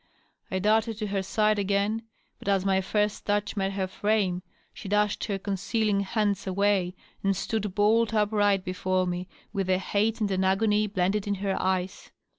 I darted to her side again, but as my first touch met her frame she dashed her concealing hands away and stood bolt upright before me with a hate and an agony blended in her eyes.